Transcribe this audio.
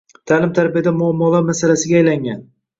Ta’lim-tarbiyada muammolar masalasiga aylangan.